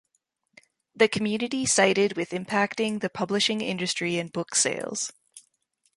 The community cited with impacting the publishing industry and book sales.